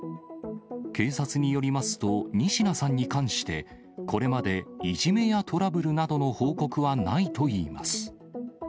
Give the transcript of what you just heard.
警察によりますと、仁科さんに関して、これまでいじめやトラブルなどの報告はないといいます。